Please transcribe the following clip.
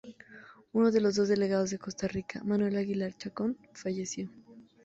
Uno de los dos delegados de Costa Rica, Manuel Aguilar Chacón, falleció.